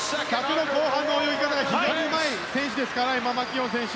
後半の泳ぎ方が非常にうまい選手ですからエマ・マキーオン選手。